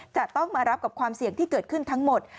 จะต้องมารับกับความเสี่ยงที่เกิดขึ้นทั้งหมด